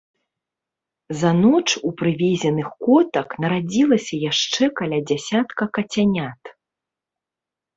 За ноч у прывезеных котак нарадзілася яшчэ каля дзясятка кацянят.